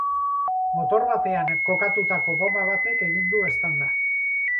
Motor batean kokatutako bonba batek egin du eztanda.